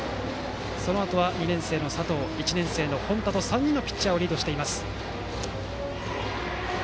そのあとは２年生の佐藤１年生の本田と３人のピッチャーをリードしています。